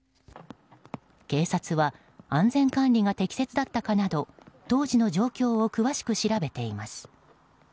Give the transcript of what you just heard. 警察は安全管理が適切だったかなど当時の状況を詳しく調べています。